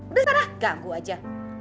udah setara ganggu aja